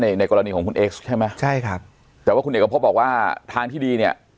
ในในกรณีของคุณเอ็กซ์ใช่ไหมใช่ครับแต่ว่าคุณเอกพบบอกว่าทางที่ดีเนี่ย